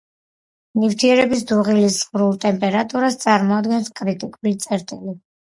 ნივთიერების დუღილის ზღვრულ ტემპერატურას წარმოადგენს კრიტიკული წერტილი.